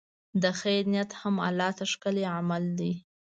د خیر نیت هم الله ته ښکلی عمل دی.